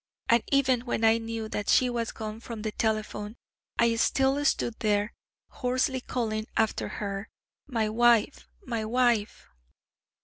And even when I knew that she was gone from the telephone, I still stood there, hoarsely calling after her: 'My wife! My wife!'